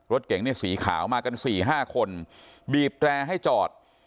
รถเก๋งฟรีขาวมากัน๔๕คนบีบแปลงให้จอด